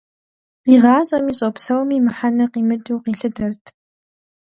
Къигъащӏэми щӏэпсэуми мыхьэнэ къимыкӏыу къилъытэрт.